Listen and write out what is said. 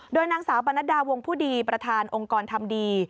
โดยนางสาวปนัดดาวงผู้ดีประธานองค์กรทำดี